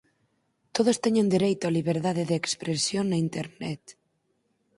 Todos teñen dereito á liberdade de expresión na internet.